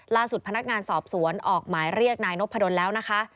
พนักงานสอบสวนออกหมายเรียกนายนพดลแล้วนะคะ